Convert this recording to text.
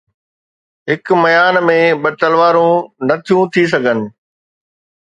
هڪ ميان ۾ ٻه تلوارون نٿيون ٿي سگهن